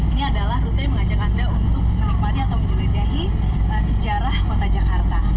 ini adalah rute yang mengajak anda untuk menikmati atau menjelajahi sejarah kota jakarta